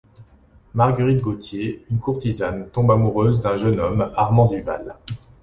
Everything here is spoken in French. Marguerite Gautier, une courtisane, tombe amoureuse d'un jeune homme, Armand Duval.